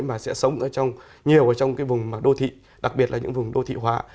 mà sẽ sống nhiều ở trong cái vùng đô thị đặc biệt là những vùng đô thị hóa